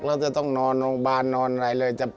แล้วจะต้องนอนโรงพยาบาลนอนอะไรเลย